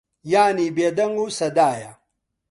یانی بێدەنگ و سەدایە